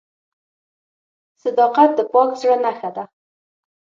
• صداقت د پاک زړه نښه ده.